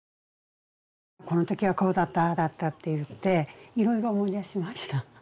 このときはこうだったああだったって言っていろいろ思い出しました